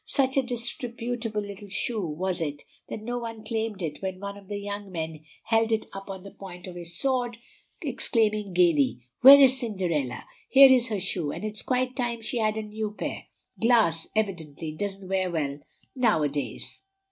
Such a disreputable little shoe was it that no one claimed it when one of the young men held it up on the point of his sword, exclaiming gayly, "Where is Cinderella? Here's her shoe, and it's quite time she had a new pair. Glass evidently doesn't wear well now a days."